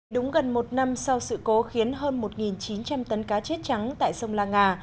đúng gần một năm sau sự cố khiến hơn một chín trăm linh tấn cá chết trắng tại sông la nga